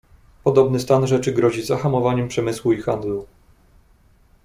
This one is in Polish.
"Podobny stan rzeczy grozi zahamowaniem przemysłu i handlu."